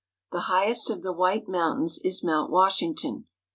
The highest of the White Mountains is Mount Washing ton.